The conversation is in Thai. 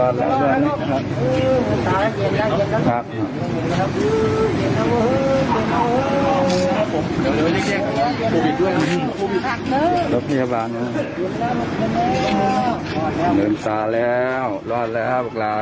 นี่นะเด็กตัวเล็กค่ะ